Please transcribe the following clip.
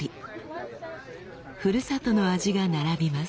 ふるさとの味が並びます。